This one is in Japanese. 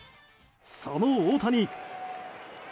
その大谷。